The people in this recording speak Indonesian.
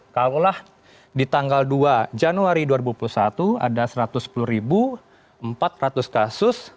kalau di tanggal dua januari dua ribu satu ada satu ratus sepuluh empat ratus kasus